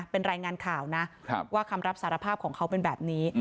เป็นรายงานข่าวนะว่าคำรับสารภาพของเขาเป็นแบบนี้